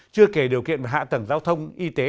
chưa kể điều kiện về hạ tầng giao thông y tế